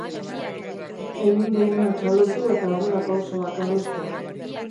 Egin duguna txalotu eta aurrerapausoak adostu.